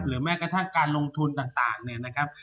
แม้กระทั่งการลงทุนต่างเนี่ยนะครับ